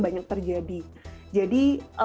banyak terjadi jadi